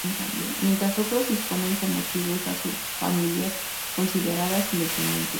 Mientras otros disponen como tribus a subfamilias consideradas independientes.